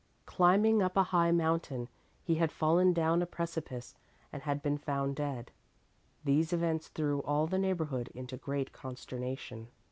"Climbing up a high mountain, he had fallen down a precipice and had been found dead. These events threw all the neighborhood into great consternation.